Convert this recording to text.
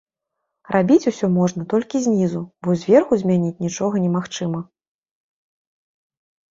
Рабіць усё можна толькі знізу, бо зверху змяніць нічога немагчыма.